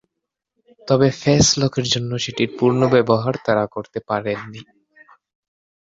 তবে face lock এর জন্য সেটির পূর্ণ ব্যবহার তারা করতে পারেন নি।